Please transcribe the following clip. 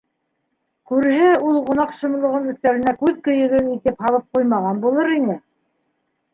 Күрһә, ул гонаһ шомлоғон өҫтәленә күҙ көйөгө итеп һалып ҡуймаған булыр ине.